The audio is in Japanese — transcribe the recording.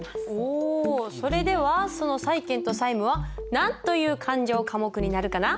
おおそれではその債権と債務は何という勘定科目になるかな？